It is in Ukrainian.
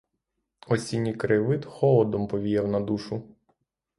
Осінній краєвид холодом повіяв на душу.